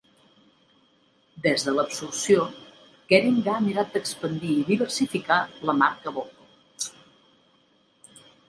Des de l'absorció, Kering ha mirat d'expandir i diversificar la marca Volcom.